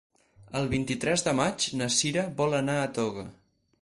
El vint-i-tres de maig na Sira vol anar a Toga.